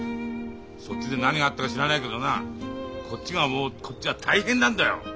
そっちで何があったか知らないけどなこっちはもうこっちは大変なんだよ。